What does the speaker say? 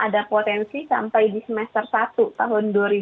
karena ada potensi sampai di semester satu tahun dua ribu dua puluh tiga